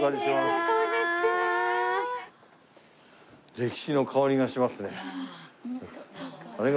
歴史の香りがしますね。